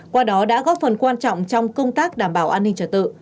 qua đó đã góp phần quan trọng trong công tác đảm bảo an ninh trật tự